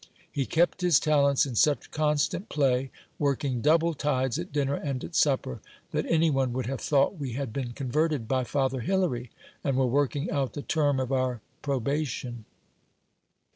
He kept his talents in such constant play, working double tides at dinner and at supper, that any one would have thought we had been converted by father Hilary, and were working out the term of our probation.